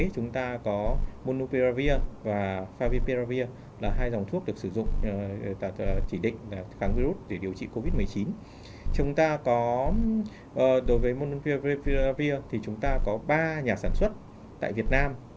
chúng ta có đối với monopiravir thì chúng ta có ba nhà sản xuất tại việt nam